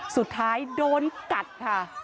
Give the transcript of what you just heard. สุดท้ายโดนกัดค่ะ